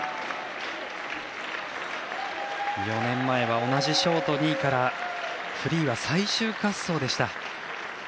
４年前は、同じショート２位からフリーは最終滑走でした。